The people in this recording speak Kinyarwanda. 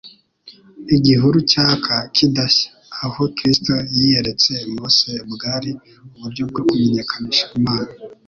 Igihuru cyaka kidashya, aho Kristo yiyeretse Mose bwari uburyo bwo kumenyekanisha Imana.